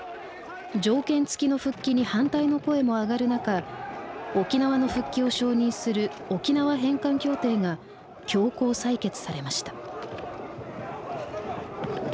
条件つきの復帰に反対の声も上がる中沖縄の復帰を承認する沖縄返還協定が強行採決されました。